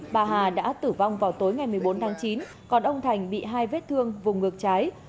bà hà đã tử vong vào tối ngày một mươi bốn tháng chín còn ông thành bị hai vết thương vùng ngược trái